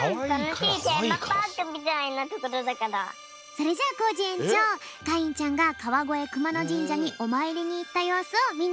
それじゃあコージえんちょうかいんちゃんがかわごえくまのじんじゃにおまいりにいったようすをみんなでみてみよう！